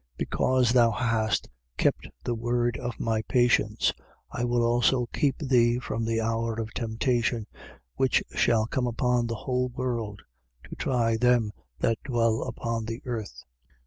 3:10. Because thou hast kept the word of my patience, I will also keep thee from the hour of temptation, which shall come upon the whole world to try them that dwell upon the earth.